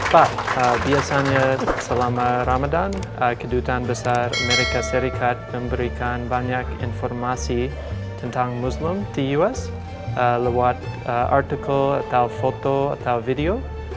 pak biasanya selama ramadan kedutaan besar amerika serikat memberikan banyak informasi tentang muslim the years lewat artikel atau foto atau video